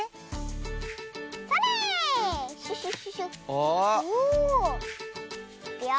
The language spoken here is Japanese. おお。いくよ。